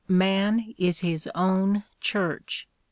Man is his ovi^n Church.